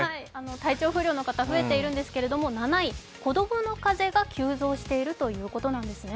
体調不良の方増えているんですけど、７位子供の風邪が急増しているということなんですね。